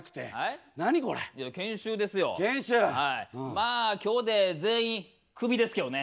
まあ今日で全員クビですけどね。